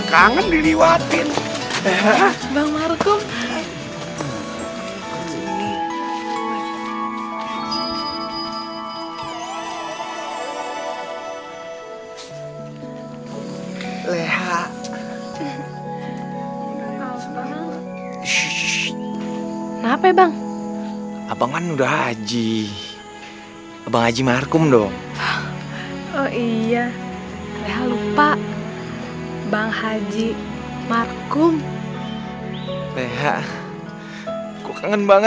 sampai jumpa di video selanjutnya